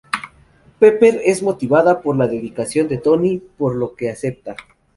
Pepper es motivada por la dedicación de Tony, por lo que acepta.